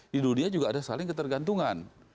di dunia juga ada saling ketergantungan